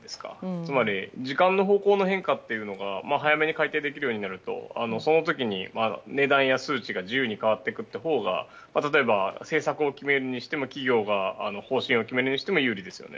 つまり時間の方向の変化が早めに改定できるようになるとその時に値段や数値が自由に変わっていくほうが例えば、政策を決めるにしても企業が方針を決めるにしても有利ですよね。